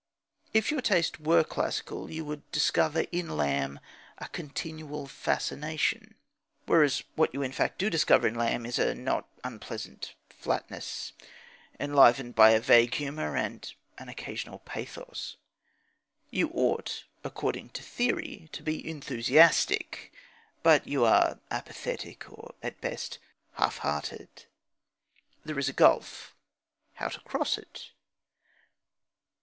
If your taste were classical you would discover in Lamb a continual fascination; whereas what you in fact do discover in Lamb is a not unpleasant flatness, enlivened by a vague humour and an occasional pathos. You ought, according to theory, to be enthusiastic; but you are apathetic, or, at best, half hearted. There is a gulf. How to cross it?